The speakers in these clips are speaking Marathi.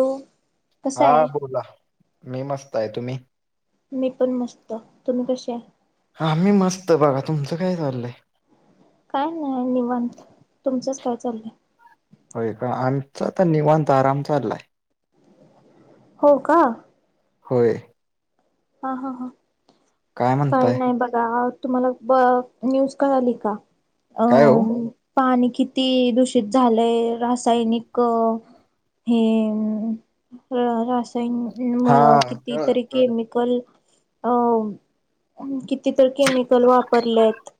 हो कसा हा आहे बोला मी मस्त आहे तुम्ही, मी पण मस्त तुम्ही कसे आहे‌ आाम्ही मस्त बाघा तुमचं काय चाललंय. काय नाही निवांत तुमचंच काय चाललंय. होय का आमचा तर निवांत आराम चाललाय हो का, होय हा हा हा काय काही म्हणताय नाही बघा तुम्हाला ब न्यूज कळाली का अ, काय हो पाणी किती दूषित झालंय रासायनिक, हे हा कळलं कितीतरी कळलं केम अ, ति तरर केमिकल वापरलेत.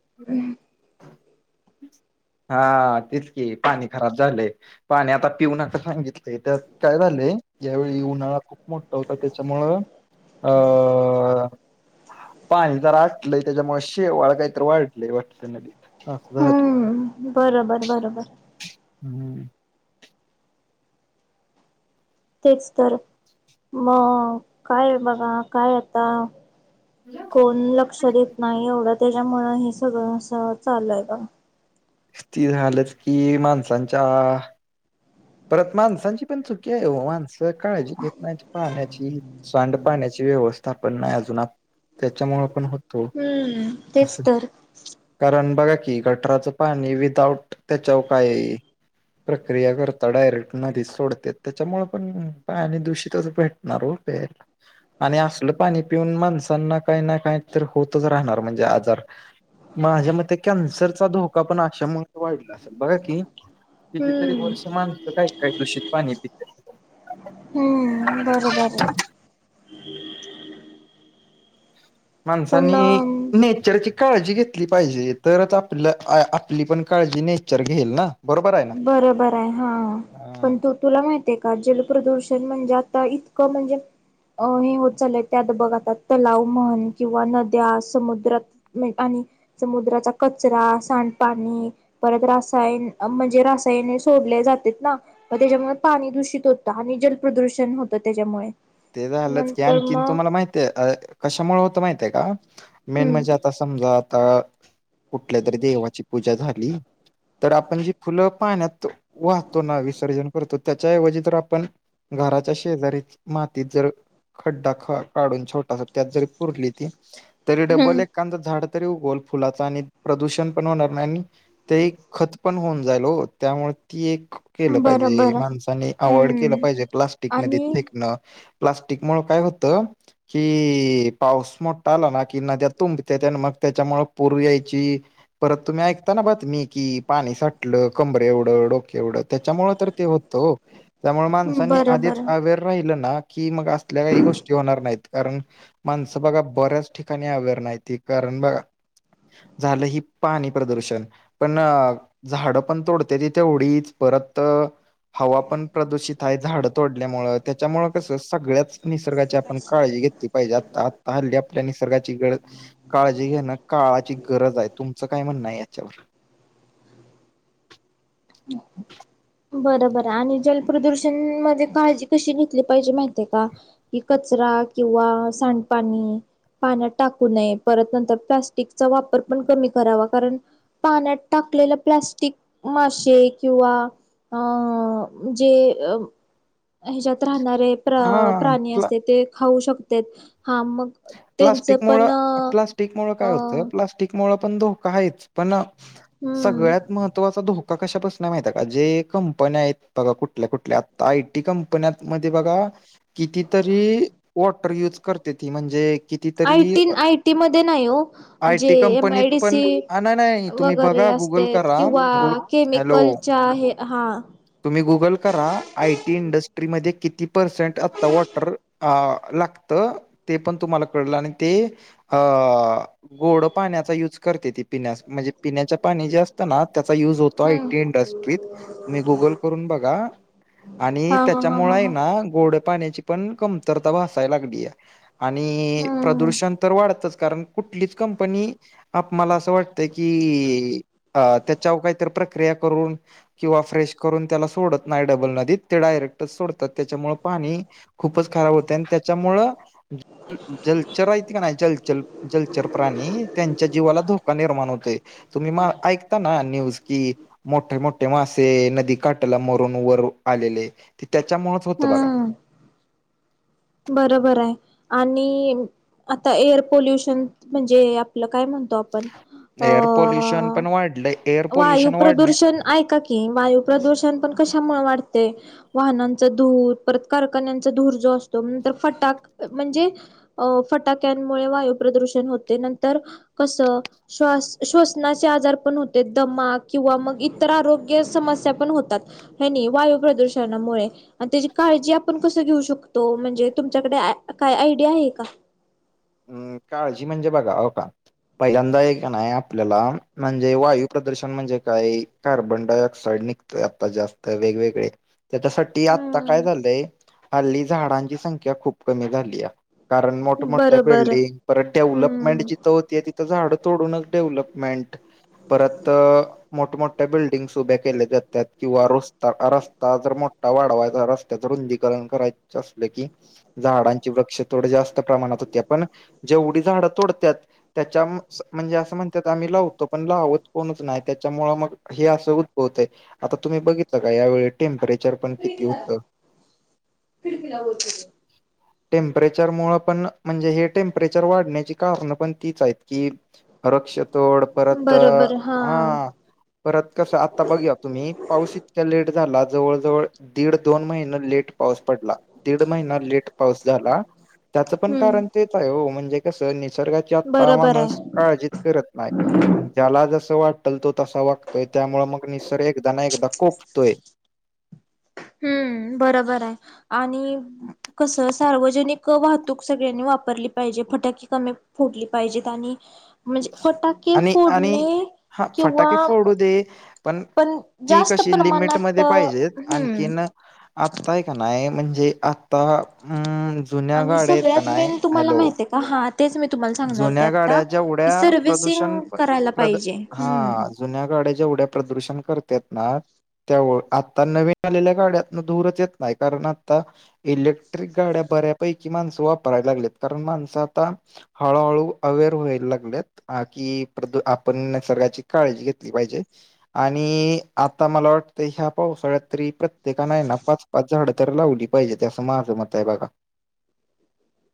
हा तचकी पाणी खराब झालंय पाणी आता पिऊ न तर सांगितलं. तेट काही पले. यावेळी उन्हाळा खूप मोठा होता त्याच्यामुळं अ, पाणी जर असटलंय त्याच्यामुळे शेवाळ काहीत वाढलं वाट नदी, हम् बरोबर बरोबर, हम्म तेच तर मग काय बघा काय आता, कोण लक्ष देत नाही एवढं त्याच्यामुं हे सगळं असं चाललंय का, ती झालंच की माणसांच्या, परत माणसांची पण चुकी आहे हो माणसं काळजी घेत मा, पाण्याची सांड पाण्याची व्यवस्था पण नाही अजून त्याच्यामुळे पण होत. हम्म तेच तर, कारण बघा की गटराचं पाणी विदाउट त्या चौ काय, प्रक्रिया कर, ता डायरेक्ट नदी सोडते त्याच्यामुळे पण पा आणि दूषितच भेटणार हो प, आणि असलं पाणी पिऊन माणसांना काही ना काही तर होतच राहणार म्हणजे आजार, माझ्या मते कॅन्सर चा धोका पण अशा वाढला असेल बघा की, कितीतरी हम्म. वर्ष माणसं काय काही दूषित पाणी प, बरं बरं माणसांनी पण नेचरची, काळजी घेतली पाहिजे तरच आपल्या आपली पण काळजी नेचर घेईल ना, बरोबर आहे ना बरोबर आहे हा हा पण तो, तुला माहित आहे का जलप्रदूषण म्हणजे आता इतकं म्हणजे, अ हे होत चालय त्यात बघ आता तलाव म्हण किंवा नद्या समुद्रात, आणि समुद्राचा कचरा सांडपाणी परत रसायन, े रासायने सोडल्या जातात ना, प त्याच्यामुळे पाणी दूषित होतं आणि जल प्र्रदूषण होतं त्याच्यामुळे, ते झालंच की नंतर आणखीन मग तुम्हाला माहितय कशामुळे होतं माहित आहे का मेन म्हणजे, हम्म आता समजा आता कुठल्या तरी देवाची पूजा झाली, तर आपण जी फुलं पाण्यात वाहतो ना विसर्जन करतो. त्याच्याऐवजी तर आपण घराच्या शेजारी मातीत जर खड्डा ख काढून छोटा अस त्यात जरी पुरली ती तरी डबल एक एखादं झाड तरी उगल फुलाचा आणि प्रदूषण पण होणार नाही. आणि ते खत पण होऊन जाईल हो, त्यामुळे ती एक केलं बरं पाहिजे बरं माणसांनी अवॉइड केलं हम्म पाहिजे प्लास्टिक नदीे आणि न प्लास्टिक मुळ काय होतं? कि पाऊस मोठा आला ना कि नद्या तुंबत आणि मग त्याच्यामु पूर यायची परत तुम्ही ऐकताना बातमी की पाणी साटलं कमबरे एवढं, डोके एवढं त्याच्यामुळ तर ते हो हो, त्यामुळे माणसांनी बरं आधीच बरं अवेअर राहिलं ना की मग असल्या काही गोष्टी होणार नाहीत. कारण माणसं बघा बऱ्याच ठिकाणी अवेअर नाहीती कारण बघा, झालं ही पाणी प्रदूषण. पण झाडं पण तोडतेति थेवढीच परत, हवा पण प्रदूषित आहे झाडं तोडल्यामुळ. त्याच्यामुळे कस सगळ्याच निसर्गाची आपण काळजी घेतली पाहिजे. आता आता हल्ल्या आपल्या निसर्गाची खरचं काळजी घेणं काळाची गरज आहे. तुमचं काय म्हणणं आहे याच्यावर? बरोबर आहे. आणि जलप्रदूषण मध्ये काळजी कशी घेतली पाहिजे माहितीे का? कचरा किंवा सांडपाणी, पाण्यात टाकू नये परत नंतर प्लास्टिकचा वापर पण कमी करावा. कारण पाण्यात टाकलेले प्लॅस्टिक माशे किंवा अ.. जे ह्यांच्यात राहणारे आहेत. हा अ.. प्राणी प्ला असते ते खाऊ शकतेत हा मग, त्याचा प्लास्टिक मुळ प्लास्टिक मुळ काय होतं. प्लास्टिक मुळं पण धोका आहेच. पण ना हम्म सगळ्यात महत्त्वाचा धो कशापासनं माहित आहे. का जे कंपन्या आहेत बघा, कुठल्या कुठल्या आता आय टी कंपन्या मध्ये बघा, कितीतरी वॉटर यूज करते ती म्हणजे, कितीतरी आयी आय टी मध्ये नाही हो, जे आयटी एम कंपनीत आय डी सी पण हा, नाही नाही तुम्ही वगैरे बघा गुगल असते करा किंवा गु हॅलो केमिकलच्या हे हा तुम्ही गुगल करा आय टी इंडस्ट्रीमध्येध्ये किती पर्सेंट आता वॉटर, आ लागतं ते पण तुम्हाला कळलं आणि ते, अह... गोड पाण्याचा यूज करते ती पिण्यास म्हणजे पिण्याच्या पाणी जास्त पण ना त्याचा युज होतो आय हम्म. टी इंडस्ट्रीत. तुम्ही गुगल करून बघा आणि हा हा हा हा त्याच्यामुळे हे हा ना गोड पाण्याची पण कमतरता भासाय लागली या, आणि हम्म प्रदूषण तर वाढतच कारण कुठलीच कंपनी आप मला असं वाटतंय की अ.. त्याच्यावर काहीतरी प्रक्रिया करून. किंवा फ्रेश करून त्याला सोडत नाही. डबल नदीत ते डायरेक्टच सोडतात त्याच्यामुळे पाणी खूपच खराब होते आणि त्याच्यामुळं जलचर आहेत का नाही जलचर? जलचर प्राणी त्यांच्या जिवाला धोका निर्माण होते. तुम्ही म ऐकता ना न्यूज? कि मोठे मोठे मासे काठाला मरून वर आलेले ते त्याच्यामुळेच होत बघा. हम्म बरोबर आहे आणि आता एअर पोल्युशन म्हणजे आपलं काय म्हणता. आपण एअर पोल्युशन अ...... [unintelligible] वायू वाढण्या प्रदूषण ऐका कि वायू प्रदूषण पण कशामुळे वाढते. वाहनांचा धूर परत कारखान्यांचा धूर जो असतो. नंतर फटाक म्हणजे, अ.. फटाक्यांमुळे वायू प्रदूषण होते. नंतर कसं श्व.. श्वसनाचे आजार पण दमा किंवा मग इतर आरोग्य समस्या पण होतात. हनी वायू प्रदूषणामुळं. आणं त्याची काळजी आपण कसं घेऊ शकतो म्हणजे तुमच्याकडं काय आयडिया आहे का? हम्म काळजी म्हणजे बघा हो का. पहिल्यांदा हे का नाय आपल्याला म्हणजे वायू प्रदूषण म्हणजे काही कार्बन डायऑक्साइड निघ आता जास्त वेग-वेगळे. त्याच्यासाठी आता काय हम्म झालंय हल्ली झाडांची संख्या खूप कमी झालीया. कारण मोठमोठ्यां बरोबर बिल्डिंग परत हम्म डेव्हलपमेंटची होती तिथं झाड तोडूनचं डेव्हलपमेंट परत मोठमोठ्या बिल्डिंग्स उभ्या केल्या जातात किंवा रस्ता आ रस्ता जरा मो वाढवायचा रस्त्याचं रुंदीकरण करायचं असलं की. झाडांची वृक्षतोड जास्त प्रमाणात होत्यात पण जेवढी झाडं तोडत्याात. त्याच्या म स म्हणजे असं म्हणतात आम्ही लावतो पण लावत कोणचं नाही त्याच्यामुळं मग हे असं उद्भवतयं आता तुम्ही बघितलं का यावेळी टेम्परेचर चार पण किती होतं? टेम्परेचर मुळं पण. म्हणजे हे टेम्परेचर वाढण्याची कारणं पण तीच आहेत की वृक्षतोड. परत हा. परत कसं आता बघया तुम्ही पाऊस इतक्या लेट झाला जवळ जवळ दीड दोन महिने लेट पाऊस पडला. दीड महिना लेट पाऊस झाला त्याचं पण हम्म कारण तेच आहे हो म्हणजे कस निसर्गा ता बरोबर माणूस आहे काळजीत करत नाही. ज्याला जस वाटल तो तसा वागतोय त्यामुळेळ मग निसर्ग एकदा ना एकदा कोकतोय. हम्म बरोबर आहे आणि कसं सार्वजनिक वाहतूक सगळ्यांनी वापरली पाहिजे फटाकीे कमी फुटली पाहिजेत आणि म्हणजे फटाके आणि आणि फोडणे हा किंवा फटाके फोडू दे पण ती जास्त कशी लिमिट प्रमाणात मध्ये पाहिजेत हम्म आणखीन ना आत्ता आहे का नायं म्हणजे आता म्हणजे जुन्या गाड्या आहेत का नायं हॅलो पाहात तेच मी तुम्हाला सांगणार होते जुन्या आता गाड्या की जेवढ्या प्रदूषण सर्वि्हसिंग प- करायला प्रद पाहिजे. हा जुन्या गाड्या जेवढ्या प्रदूषण करतात ना त्या आता नवीन आलेल्या गाड्यातन दूरच येत नाही कारण आता इलेक्ट्रिक गाड्या बऱ्यापैकी माणसं वापरायला लागलेत कारण माणसं आता हळूहळू अवेअर व्हायला लागल्यात ह की प्रद आपण निसर्गाची काळजी घेतली पाहिजे. आणि आता मला वाटत ह्या पावसाळ्यात तरी प्रत्येकाने नफच पाच झाडं तर लावली पाहिजे ते असं माझं मत आहे बघा. [unintelligible]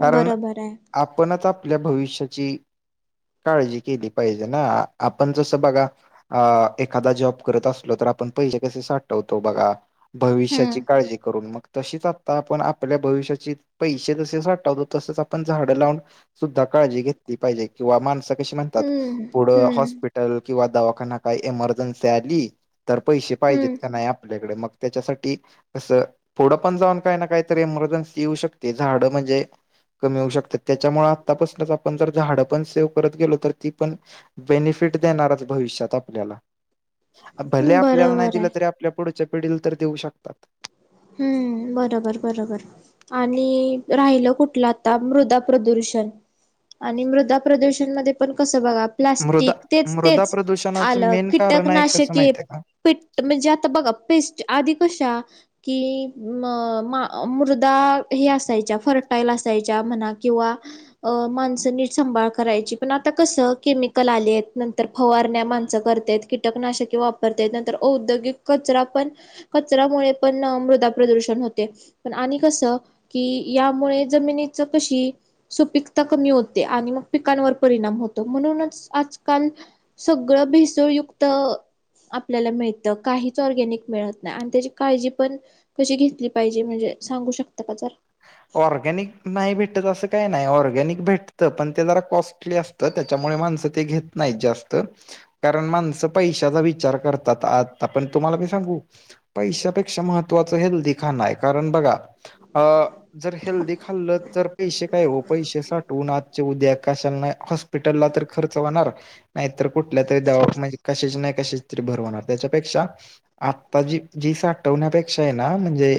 कारण बरोबर आहे आपणच आपल्या भविष्याची काळजी केली पाहिजे ना आपण जसं बघा अ एखादा जॉब करत असलो तर आपण पैसे कसे साठवतो बघा. भविष्याची हम्म काळजी करून मग तशीच आता आपण आपल्या भविष्याची पैसे जसे आठवतो तसेच आपण झाडं लावून काळजी घेतली पाहिजे किंवा मनस कशी म्हणतात हम्म पुढ हम्म हॉस्पी हल किंवा दवाखाना काही एमर्जन्सी आली तर पैसे पाहिजेत का हम्म नाही आपल्याकडे मग त्याच्यासाठी असं पुढं पण जाऊन काही ना काहीतरी एमर्जन्सी येऊ शकते झाडं म्हणजे कमी होऊ शकतात त्याच्यामुळे आत्तापासूनच आपण जर झा झाडं पण सेव करत गेलो तर ती पण बेनिफिट देणारच भविष्यात आपल्याला भले आपल्याला नाही बरोबर दिलं आहे तरी आपल्या पुढच्या पिढीला तर देऊ शकतात. हम्म बरोबर बरोबर. आणि राहिलं कुठलं आता मृदा प्रदूषण आणि मृदा प्रदूषण मध्ये पण कसं बघ मृदा प्लास्टिक तेच मृदा तेच प्रदूषणाचं आलं मेन कारण आहे कसं कीटकनाशके माहितीय का म्हणजे आता बघा पेस्ट आधी कशा कि मृदा हे असायच्या फर्टाईल असायच्या म्हणा किंवा अ माणसं नीटसांभाळ करायची पण आता कसं केमिकल आले आहेत नंतर फवारण्या माणसं करत आहेत कीटकनाशके वापरता नंतर औद्योगिक कचरा पण कचरामुळे पण मृदा प्रदूषण होते पण आणि कस की यामुळे जमिनीच कशी सुपिकता कमी होते आणि मग पिकांवर परिणाम होतो म्हणूनच आजकाल सगळं भेसळयुक्त आपल्याला मिळतं काहीच ऑर्गॅनिक मिळत नाही आणि त्याची काळजी पण कशी घेतली पाहिजे म्हणजे सांगू शकता का ज ऑर्गॅनिक नाही भेटत असं काही नाही ऑर्गॅनिक भेटतं पण ते जरा कॉस्टली असत तर त्याच्यामुळे माणसं ते घेत नाहीत जास्त कारण माणसं पैशाचा विचार करतात आता पण तुम्हाला मी सांगू पैशापेक्षा महत्वाचं हेल्दी खाण आहे कारण बघा अ जर हेल्दी खाल्लं तर पैसे काय हो पैसे साठवून आजच्या उद्या कशाना हॉ हॉस्पिटलला तर खर्च होणार नाहीतर कुठल्या तरी दवा म्हणजे कशच नाही कसेच भरवणार त्याच्यापेक्षा आता जी जी सा हटवण्यापेक्षा आहे ना म्हणजे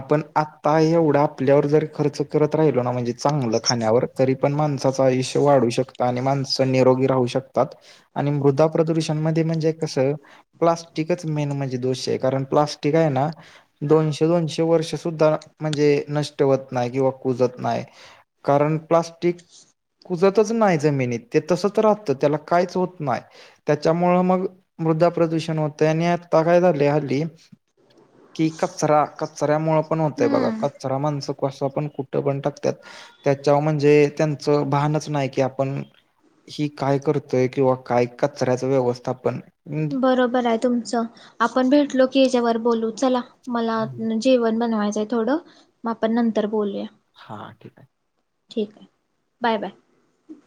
आपण आता एवढा आपल्यावर खर्च करत राहिलो म्हणजे चागलं खाण्यावर तरी पण माणसांच आयुष्य वाढू शकते आणि माणसं निरोगी राहू शकतात आणि मृदा प्रदूषण मध्ये म्हणजे कसं प्लास्टिकच मेन म्हणजे दोष आहे कारण प्लास्टिक आहे ना दोनशे दोनशे वर्ष सुद्धा म्हणजे नस ठेवत नाही किंवा कुजत नाय कारण प्लास्टिक कुजतच नाही जमिनीत ते तसच राहतं त्याला काहीच होत नाही त्याच्यामुळं मग मृदा प्रदूषण होतं आणि आता काय झालं हल्ली कि कचरा कचऱ्यामुळे पण होतय बघा हम्म कचरा माणस कस पण कुठं पण टाकत्यात त्याच्या म्हणजे त्यांचं भानच नाही की आपण हि काय करतय किंवा काय कचऱ्याच व्यवस्थापन बरोबर आहे तुमचं आपण भेटलो की याच्यावर बोलू चला मला जेवण बनवायचंय थोडं मग आपण नंतर बोलूया हा ठीक आहे ठीक आहे बाय बाय